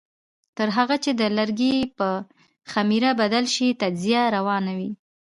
تر هغه چې د لرګي په خمېره بدل شي تجزیه روانه وي.